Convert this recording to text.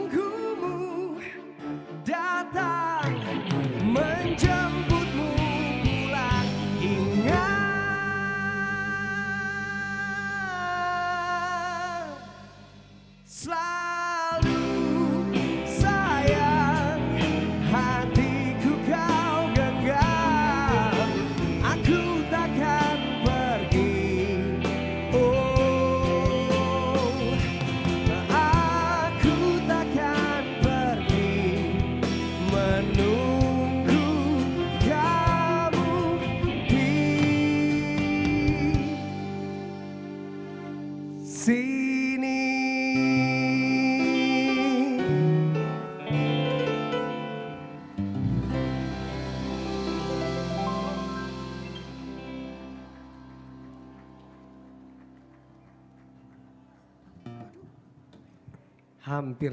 kupikku di sini